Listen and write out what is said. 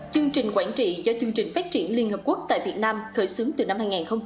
chương trình quản trị do chương trình phát triển liên hợp quốc tại việt nam khởi xướng từ năm hai nghìn chín